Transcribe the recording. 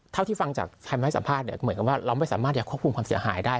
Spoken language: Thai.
เท่าที่ฟังจากคำให้สัมภาษณ์เนี่ยเหมือนกับว่าเราไม่สามารถจะควบคุมความเสียหายได้